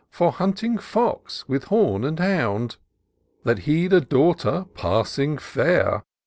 For hunting fox, with horn and hound ; That he'd a daughter passing fair.